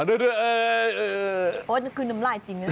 เพราะว่าคือน้ำล่ายจริงนะ